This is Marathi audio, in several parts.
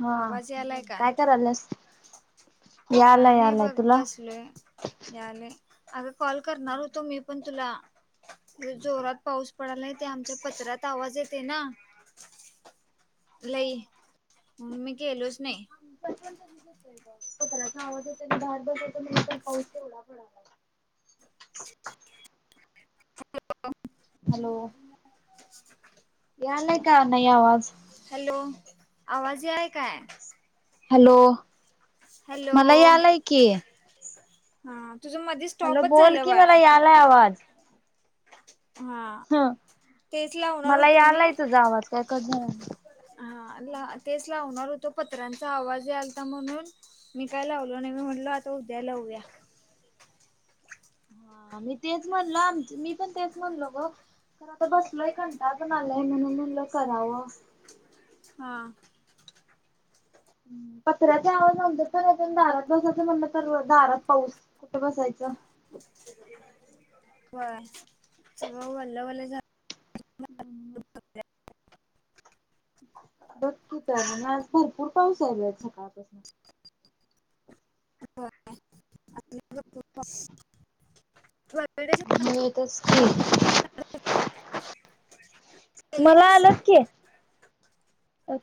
हा आवाज यायला का? काय करायलास काय यालाय नही यालाय बघ, तुला बसलोय. ह आले, अग कॉल करणार होतो मी पण तुला. लई जोरात पाऊस पडयला, ते आमच्या पत्र्यात आवाज येते ना. लई, म-मी गेलोच नही. [unintelligible] पत्र्याचा आवाज येतोय, दहा बस पाऊस तेवढा पडाला [unintelligible] हॅलो? या आलाय का नाही आवाज? हॅलो आवाज हो हाय काय. हॅलो हॅलो मला यालय की. हा तुझ मधीच. हॅलो बोल की मला यालाय आवाज. हा ह तेच लावणार मला होतो मी यालाय तुझा आवाज. हा ला तेच लावणार होतो पत्रांचा आवाज आलता म्हणून. मी काय लावलो नाही मी म्हटल आता उद्या लावऊया. हा मी तेच म्हणल आम मी पण तेच म्हणलो ग. तर आता बसलो कंटाळा पण आलाय म्हणून म्हणलं करावा. हा, पत्र्याच्या आवाज न दारात बसायच म्हणलं तर दारात पाऊस. कुठं बसायचं. [inaudible] बर सगळं वल्ल वल्ल झा''--'' हम्म. बकी तर आज भरपूर पाऊस आलाय सकाळपासून. बस [inaudible] मेत स्क [inaudible] मला आलंत की.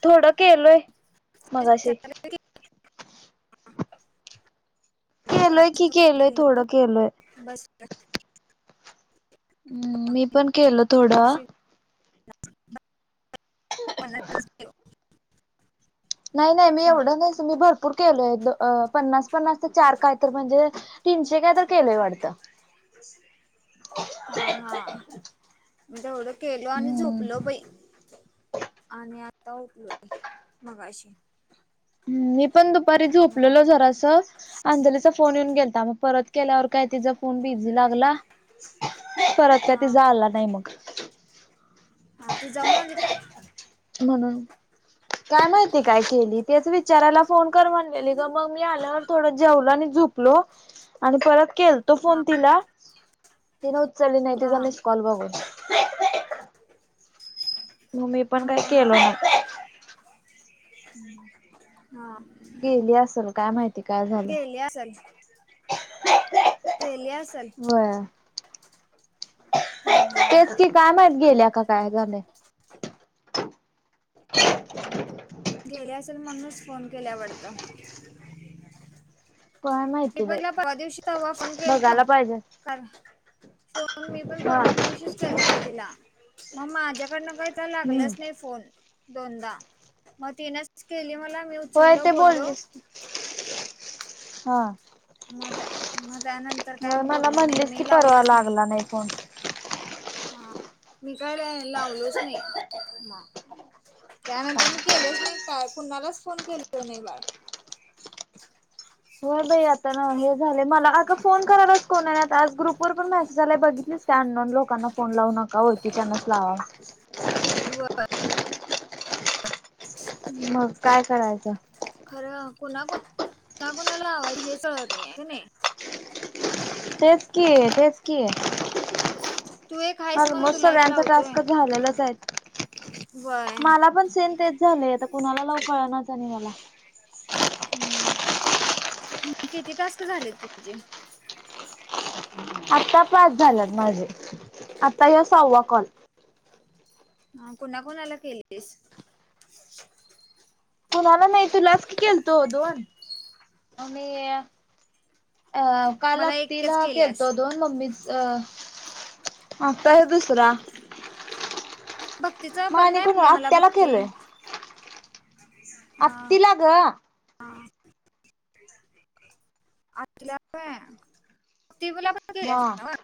थोडं केलोय मगाशी. केलोय की केलोय थोडं कलो केलोय. बस [inaudible] हम्म मी पण केलं थोडं. [inaudible] नाही नाही मी एवढं नाही मी भरपूर केलोय द अ पन्नास पन्नास ते चार काय तर म्हणजे. तीनशे काय तर केलंय वाटतं. हा हा म्हणजे एवढं. केल आणि हम्म झोपल बाई आणि आता उठलोय अशी. ह मी पण दुपारी काय झोपलेलो जरासं. अंजलीचा फोन येऊन गेलता मग परत केल्यावर काय तिचा फोन बिझी लागला. परत हा काय झाला नाही मग. हा ती जाऊन आली काय. म्हणून. काय माहिती काय केली तेच विचारायला फोन कर म्हणलेली ग मग मी आल्यावर. थोडं जेवल आणि झुपलो. आणि परत केल तो फोन तिला तिने उचलली नाही हा तिचा मिस कॉल बघून. म मी पण हा काही केल हा नाय. हा माहिती काय झालंय गेली असल. गेली असल. होय. तेच की काय माहत गेले काय झालंय. ह [inaudible] गेले असेल म्हणूनच फोन केल्या वाडता. काय माहिती टिपन बाई ला [unintelligible] पवा दिवशी त हवा फण गेलतो बघायला पाहिजे फोन मी पण हा परवाीशीच केलतो. लतो तुला मग माझ्याकडनं काही तर हम्म लागलंच नाही फोन. दोनदा, मग तीनच केली मला मी होय उचललो ते बोललो. बोलीस, हा. मग त्या, मग त्यानंतर काय बोलल नाही मी लावलोच नाही. हो. हा, मी काय बाई लावलोच नाही म. त्यानंतर मी केलोच नाही काय कुणालाच फोन केलो नाही बाळ. हो बाई आता ना हे झाले मला अग फोन करालाच कोणाने आज ग्रुप वर पण मैसे आलाय बघितलीस का अननोन लोकांना फोन लावू नका ओडखीच्यांच लावा. होय. [unintelligible] मग काय करायचं? खरं कुणाकु, कुणाकुणाला लावयच हेच कळत नाही, की नाही. तेच की, तेच की. तू एक हायस म्हणून अलमोस्ट तुला एक सगळ्यांचा लावतोय. टास्कच झालेलाच आहेत. व्हय मला पण सेम तेच झालय आता कुणाला लाऊ कळणाच झालय मला. हम्म, किती टास्क झालेत तुझे? आता पाच झाल्यात माझे, आता या साव्वा कॉल. हा कुणा कोणाला केलीस? कोणाला नाही तुलाच की केलतो दोन, आणि अ काल मला एकच अतिला केल्यास केलतो दोन. मम्मीच अ आता हे दुसरा. भक्तीचा मग बंद आणि आहे कोण म्हटली मला आत्याला भक्ती केलोय. आत्तिला ग. हां. आतिला बर ति मला पण कस अस.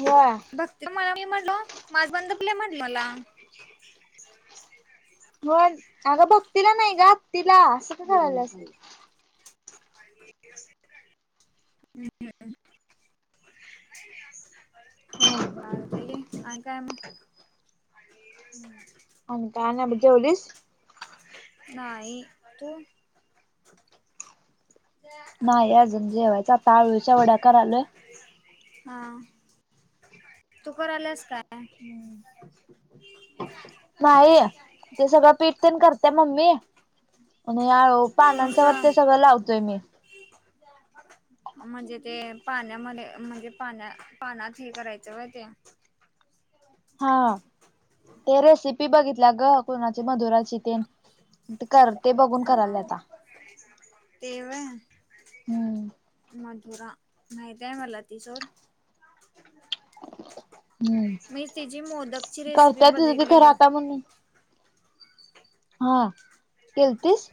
वय. तर माझा मी म्हणटल, माझं बंद पडले म्हटलं मला. मग अगं भक्तीला नाही ग अत्तीला असं का करायल्यास. [unintelligible] बा अणी काय मग. आणि का नाही बग, जेवलीस? नाही तू. नाही अजून जेवायचं आता आळूच्या वडा करालोय. हा, तू कराल्यास काय? नाही, ते सगळं पीठ तेन करते मम्मी. आणि हळुहळू तू पानांच्या वर नुसतं ते सगळं लावतोय मी. म्हणजे ते पाण्यामध्ये म्हणजे पाण्या, पाण्याच हे करायचं वय ते. हा, ते रेसिपी बघितल्या ग कुणाची मधुराची तेन. मग ते करते ते बघून करालय हा आता. ते वय. हम्म्. मथुरा माहिती आहे मला तिच. हम्म मी तिची मोदकची रेसिपी करत्या तिज ती खरं बघितलेलो. आता म्हणून हा. केलतीस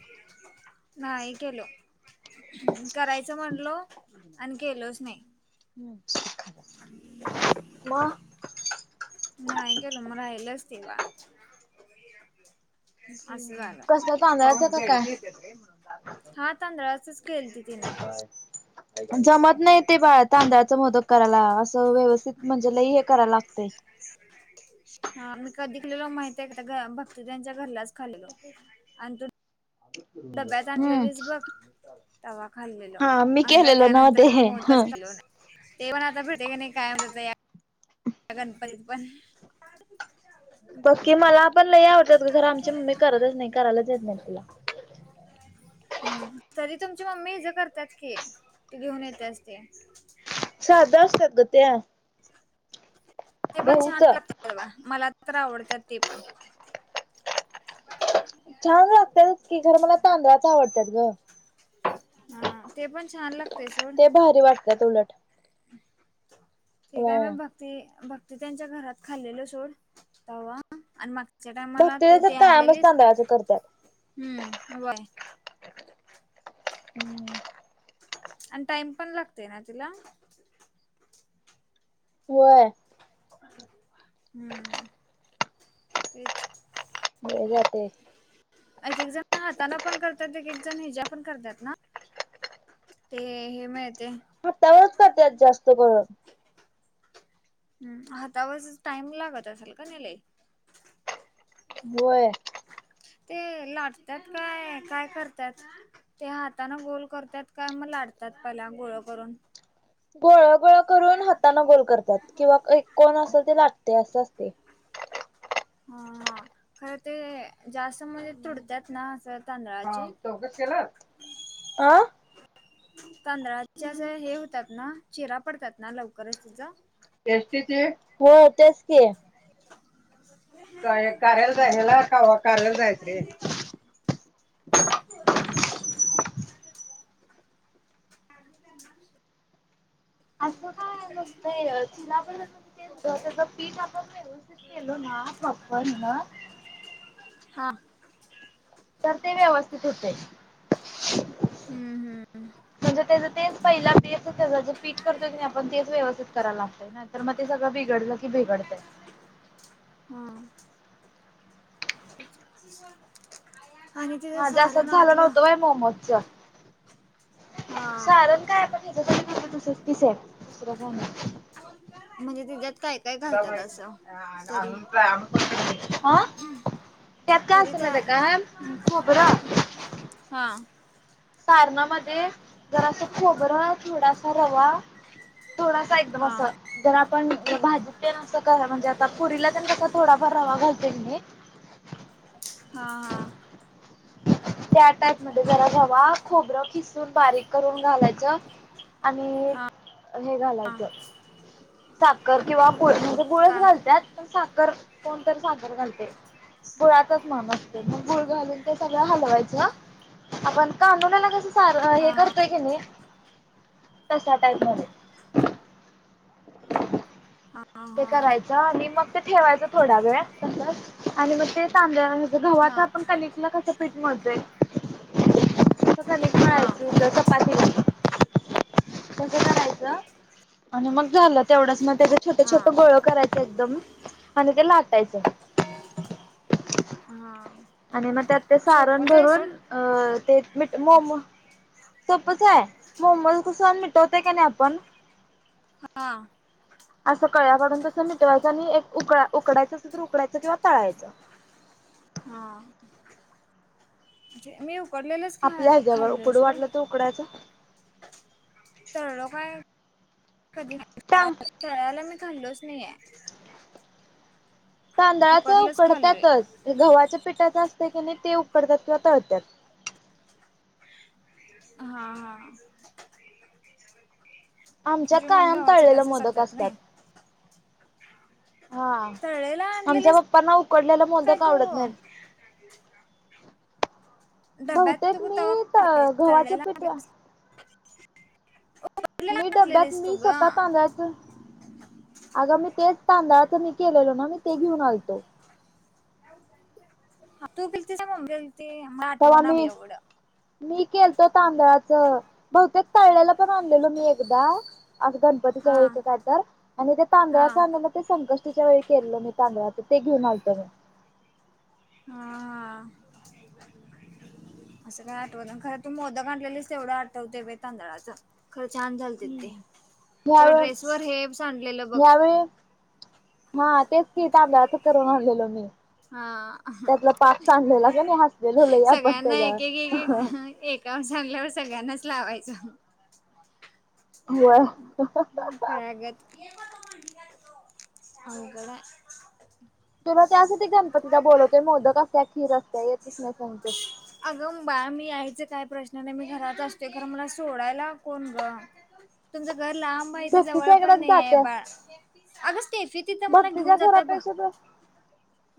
नाही केल. करायचं म्हणलो आणि केलोच नाही. म नाही केलं मग राहिलच तेव्हा. कसल तांदळाच काय. हा तांदळाचस केेलत तीन. जमत नाही ते बाळ तांदळाच मोदक करायला असं व्यवस्थित म्हणजे लय हे करायला लागते. हा मी कधी केलेलो माहित आहे का ग भक्त ज्यांच्य घरलाच. खाल्लो आणि तू डब्यात हम्म आनलेलीस बघ. तवा खाल्लेल हा मी अंग केलेलं नव्ह त्यानंतर ते मी ह. मोदकच खाल्लो नाही. ते पण आता भेटे का नाही काय माहीत. गणपण पण. बक्की मला पण लई आवडतात खर आमची मम्मी करतच नाही करायलाच येत नाही तुला. [inaudible] हम्म् तरी तुमची मम्मी इ ज करतात की तू घेऊन येतेस ते. साध असतात ग त्या. ते पण छान गहूच. लागतात मला तर आवडतात ते पण छान लागतात की ग खरं मला तांदळाच आवडतात ग. हा ते पण छान लाग''--'' ते भारी वाटत उलट. ते काय व्हय मग भक्ती भक्ती त्यांच्या घरात खाल्लेलो सोड तवा आणि मग. च्या टायमाला भक्तीला तू ती तर कायमच आणलेलीस. तांदळाचं करत्यात. हू [inaudible] आणि टाइम पण लागतेय ना तिला. व्हय. हुम्म् तेच. हे जातेत. एक एक जण हाताना पण करतात एक एक जण हिच्या पण करतात ना. ते हे मिळतं. कसं करत्या जास्त मग हम् हातावरच टाइम लागत असाल क नाय लय. व्हय. ते लाटतात काय करतात. ते हातानें गोल करतात काय मग लाटताय पहीले गोळे करून. गोळ गोळ करून हाताने गोल करतात किंवा एक कोण अस ते लाटते असं असतेय. हा खरं ते जास्त म्हणजे तुडतात ना असं तांदळाचे. चौघस केल. तांदळाच्या जरा हे होतात ना चिरा पडतात ना लवकरच तिच. एसटी चे हो तेस की. ते लवकर [inaudible] का कार्याला जाय ह्याला का कार्याला जायच हाय. आत्या मावशी [inaudible] असं काय नसतंय सिल्याबस असं. त्याचं पीठ आपण व्यवस्थित केलो ना प्रॉपर ह्यान. हां, तर ते व्यवस्थित होतेय. हम्म हम्म म्हणजे त्याच तेच पहिला तेच त्याचं जे पीठ करतोय की आपण तेच व्यवस्थित करायला लागतय ना. तर मग ते सगळ बिघडल की बिघडतय. ह आणि तिच माझं सारण असंच झालं आतल नव्हतं व्हय मोमोजच हा साारण काय पाठायचं तु किसब दुसर काय नाही. म्हणजे तिच्यात काय? काय घालतात असं तरी [unintelligible] त्यात काय तरी असत त्या माहिती आहे का खोबर हा सारणामध्ये जरास खोबर थोडासा रवा थोडासा एकदम हा अस जर आपण भाजीत तेण अस करा म्हणजे आता पुरीला त्यात थोडाफार रवा घालते मी. हा हा त्या टाईप मध्ये जरा रवा खोबर किसून बारीक करून घालायच. आणि हा हे हा घालायच साखर. किंवा गुळ म्हणजे गुळच का घालतात. पण साखर कोणतरी साखर घालतय. गुळातच म्हन असते. मग गुळ घालून ते सगळ हलवायचे. आपण कानोल्याला कस सार हे हा करतोय की नाही तशा टाईप मध्ये. हा हा ते करायच आणि मग ते ठेवायच थोडा वेळ तसच. आणि मग ते तांदळ आणि हा गव्हाच आपण कनिकला कस पीठ मिळतोय कणिक हा मळायची चपातीला. तस करायच आणि मग झाल. तेवढच मग त्याचे छोटे हा छोटे गोळ करायच एकदम न आणि ते लाटायच. हा आणि ना त्यात ते सारण सोपच आहे भरून सोड अ ते मीठ मोमो सोपच आहे. मोमोज कुसन मिटवतोय की नाही आपण हा अस कळ्या काडून तस मिटवायच. आणि एक उक उकडायच तर उकडायच किंवा तळायच. हा मी उकडलेलंच खा खाल्लय सोड. तुकड्याचा तळलो काय? कधी टां तळायला मी खाल्लोच नाही आहे. तांदळाच उकडलंच खाल्लोय उकडतातच. गव्हाच्या पिठाच असत की नाही ते उकडतात किंवा तळत्यात. हा हा आमच्यात तुझे मम्मी कायम हवाच तळलेले त्याच मोदक सरतात असतात नाही. हा तळलेल आमच्या आणलेलेस पप्पांना उकडलेला काय मोदक तू. आवडत नाहीत डब्यात बहुतेक होता मी गव्हाच्या तळलेला पिठा उकडलेला मी डब्यात आणलेलीस तू मी ग स्वतः तांदळाच अग मी तेच तांदळाच मी केलेलो ना मी ते घेऊन अलतो. तू गेलती स मम्मी गेलती हम आटवा तेव्हा ना मी ऐवड मी केलतो तांदळाच. बहुतेक पाळल्याला पण आणलेलो मी एकदा आज गण हा ळी काढ आणि ते हा तांदळाच. हा ते संकष्टीच्या वेळी केलं मी तांदळाच, ते घेऊन आलतो मी. हां. असं काय आठवना खर तू मोदक आणलेलं तेवढं आठवते बाई, तांदळाचं. खर छान झालते ते, हम्म. तुझ्या ह्यावेळी ड्रेस वर हे सांडलेलं बघ. हां तेच की तांदळाच करून आणलेलो मी. हां हं त्यातला पाक सांडलेला का नाही हसलेलो लई आपण सगळ्यांना त्याच्यावर एक एक एक एक. का सांगल्यावर, सगळ्यांनाच लावायचा. होय खयागत. [unintelligible] तुला त्यासाठी गणपतीला बोलवतोय, मोदक असत्या खीर असते, येतच नही सांगतो. अगंं बाळ मी यायचं काय प्रश्न नही, मी घरात असते, खर मला सोडायला कोण ग तुमचं घर लांब हाय, इथ जवळ भक्तीच्या पण इकडं नाही ये जात्यास बाळ, अग स्टे तिथं मला घेऊन भक्तीच्या जात्य, ब घरापेक्षा तर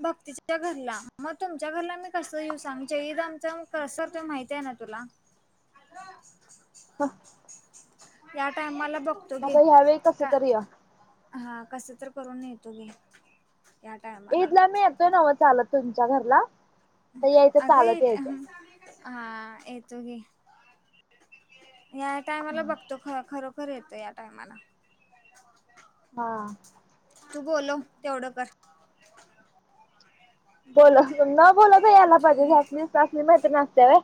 भक्तीच्या घरला, मग तुमच्या घरला मी कस येऊ सांग जैद आमच्या कस माहिती ये ना? तूला ह. या टायमाला बघतो घे, ह्यावेळी कस का? तरी या हां कस तर करून नेतो मि, या टायमाला. त ना ओ चालत तुमच्या घरला, यायचं अगं चालत येत यायचं. हा येतो गी, याटायमाला मला बघतो ख-खर खरं येतं या टायमाला. हां. तू बोलव, तेवढं कर. [inaudible] बोलव, न बोलवता यायला पाहिजे, [unintelligible] या असली मैत्रीन असते व्हय.